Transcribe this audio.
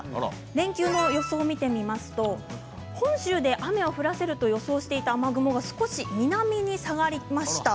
連休の予想を見てみますと本州で雨を降らせると予想していた雨雲が少し南に下がりました。